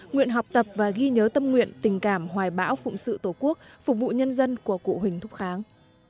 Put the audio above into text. nguyện học tập và ghi nhớ tâm nguyện tình cảm hoài bão phụng sự tổ quốc phục vụ nhân dân của cụ huỳnh thúc kháng